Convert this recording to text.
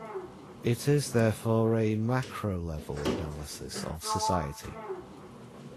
It is therefore a macro level analysis of society.